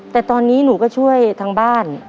แต่ตอนนี้หนูก็ช่วยทางบ้าน